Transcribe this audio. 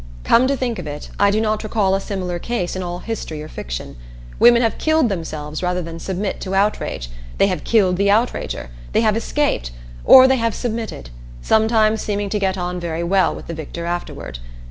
Come to think of it, I do not recall a similar case in all history or fiction. Women have killed themselves rather than submit to outrage; they have killed the outrager; they have escaped; or they have submitted sometimes seeming to get on very well with the victor afterward.